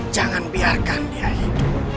jangan biarkan dia hidup